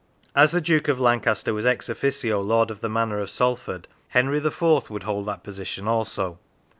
As the Duke of Lancaster was ex officio lord of the manor of Salford, Henry IV. would hold that position also.